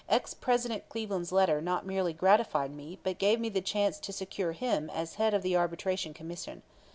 Ex President Cleveland's letter not merely gratified me, but gave me the chance to secure him as head of the Arbitration Commission.